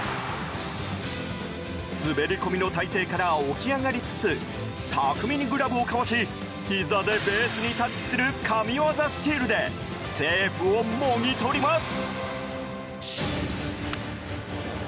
滑り込みの体勢から起き上がりつつ巧みにグラブをかわしひざでベースにタッチする神業スチールでセーフをもぎ取ります。